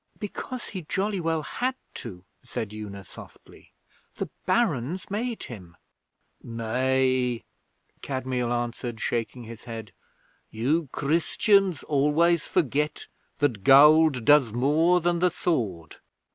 'Because he jolly well had to,' said Una softly. 'The Barons made him.' 'Nay,' Kadmiel answered, shaking his head. 'You Christians always forget that gold does more than the sword.